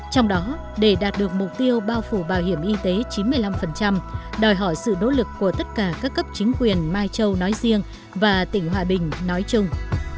trong đó để đạt được mục tiêu bao phủ bảo hiểm y tế chín mươi năm đòi hỏi sự nỗ lực của tất cả các cấp chính quyền mai châu nói riêng và tỉnh hòa bình nói chung